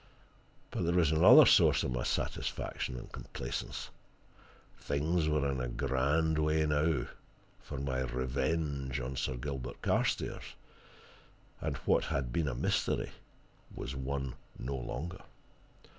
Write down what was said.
But there was another source of my satisfaction and complaisance: things were in a grand way now for my revenge on Sir Gilbert Carstairs, and what had been a mystery was one no longer.